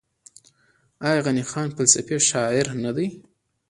آیا غني خان فلسفي شاعر نه دی؟